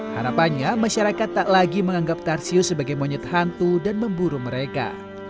harapannya masyarakat tak lagi menganggap tarsius sebagai monyet hantu dan memburu mereka